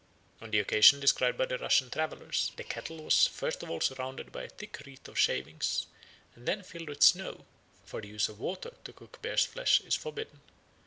On the occasion described by the Russian travellers the kettle was first of all surrounded with a thick wreath of shavings, and then filled with snow, for the use of water to cook bear's flesh is forbidden.